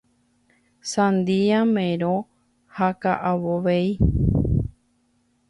Sandia, merõ ha ka'avove'i